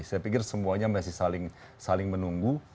saya pikir semuanya masih saling menunggu